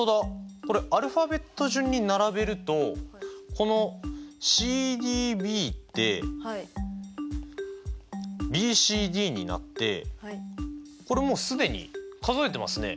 これアルファベット順に並べるとこのｃｄｂってｂｃｄになってこれもう既に数えてますね。